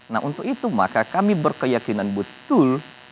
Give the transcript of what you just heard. nah untuk itu maka kami berkeyakinan betul